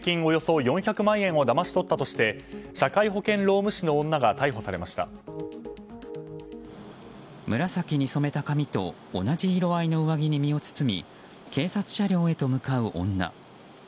およそ４００万円をだまし取ったとして社会保険労務士の女が紫に染めた髪と同じ色合いの上着に身を包み警察署に向かう女。